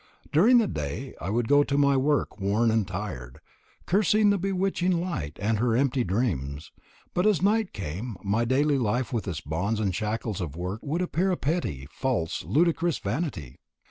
During the day I would go to my work worn and tired, cursing the bewitching night and her empty dreams, but as night came my daily life with its bonds and shackles of work would appear a petty, false, ludicrous vanity.